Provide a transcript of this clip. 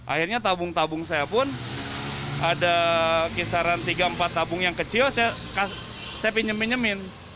akhirnya tabung tabung saya pun ada kisaran tiga empat tabung yang kecil saya pinjam pinjamin